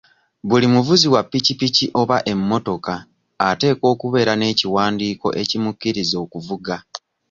Buli muvuzi wa piki piki oba emmotoka ateekwa okubeera n'ekiwandiiko ekimukkiriza okuvuga.